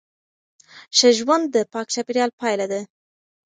ښه ژوند د پاک چاپیریال پایله ده.